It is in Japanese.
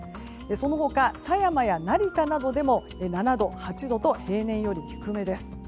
その他、狭山や成田などでも７度、８度と平年より低めです。